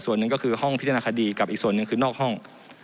ส่วนหนึ่งก็คือห้องพิจารณาคดีกับอีกส่วนหนึ่งคือนอกห้อง